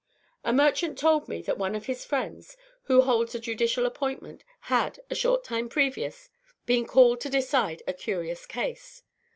A merchant told me that one of his friends, who holds a judicial appointment, had, a short time previous, been called to decide a curious case.